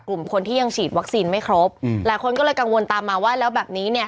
กลุ่มคนที่ยังฉีดวัคซีนไม่ครบอืมหลายคนก็เลยกังวลตามมาว่าแล้วแบบนี้เนี่ย